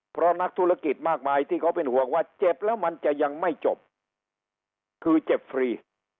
เพราะนักธุรกิจมากมายที่เขาเป็นห่วงว่าเจ็บแล้วมันจะยังไม่จบคือเจ็บฟรี